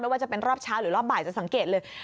ว่าจะเป็นรอบเช้าหรือรอบบ่ายจะสังเกตเลย